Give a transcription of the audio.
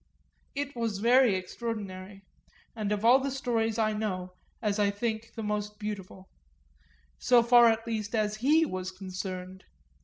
It was very extraordinary, and of all the stories I know is I think the most beautiful so far at least as he was concerned!